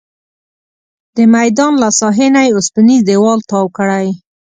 د میدان له ساحې نه یې اوسپنیز دیوال تاو کړی.